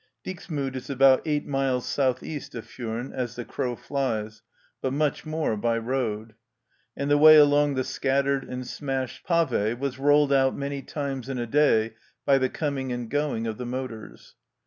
Dixmude is about eight miles south east of Furnes as the crow flies, but much more by road ; and the way along the scattered and smashed pave was rolled out many times in a day by the coming and going of the motors.